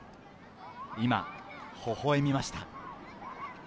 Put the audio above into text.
今、ほほ笑みました。